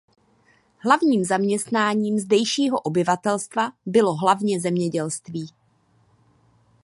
Hlavním zaměstnáním zdejšího obyvatelstva bylo hlavně zemědělství.